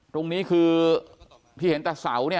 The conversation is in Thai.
ตรงนี้คือที่เห็นแต่เสาเนี่ย